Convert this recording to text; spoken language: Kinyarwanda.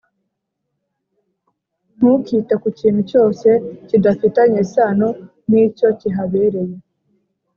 Ntukite ku kintu cyose kidafitanye isano n'icyo kihabereye.